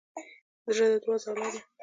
زړه د دوعا ځاله ده.